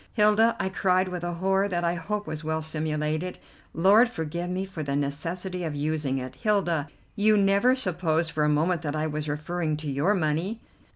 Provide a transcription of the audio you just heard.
"Hilda," I cried, with a horror that I hope was well simulated, Lord forgive me for the necessity of using it, "Hilda, you never supposed for a moment that I was referring to your money?"